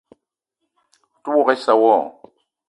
O te ouok issa wo?